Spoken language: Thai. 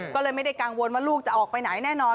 ก็เลยไม่ได้กังวลว่าลูกจะออกไปไหนแน่นอน